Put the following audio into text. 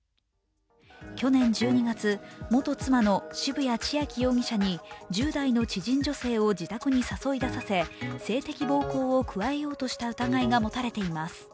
去年１２月、元妻の渋谷千秋容疑者に１０代の知人女性を自宅に誘い出させ性的暴行を加えようとした疑いが持たれています。